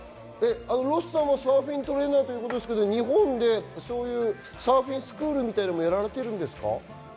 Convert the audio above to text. ロスさんもサーフィントレーナーということですけれども、日本でサーフィンスクールのようなものはやられているんですか？